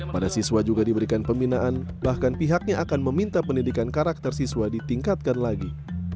pada siswa juga diberikan pembinaan bahkan pihaknya akan meminta pendidikan karakter siswa ditingkatkan lagi